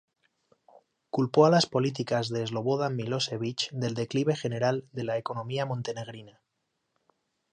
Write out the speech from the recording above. Culpó a las políticas de Slobodan Milošević del declive general de la economía montenegrina.